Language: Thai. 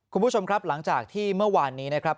คุณผู้ชมครับหลังจากที่เมื่อวานนี้นะครับ